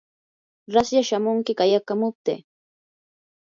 raslla shamunki qayakamuptii.